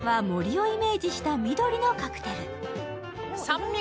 近藤さんは森をイメージした緑のカクテル。